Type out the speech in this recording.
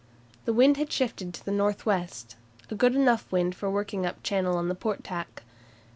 The wind had shifted to the north west, a good enough wind for working up Channel on the port tack.